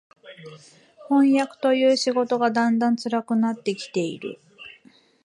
飜訳という仕事がだんだん辛くなって来ている